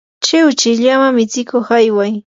chiwchi llama mitsikuq ayway.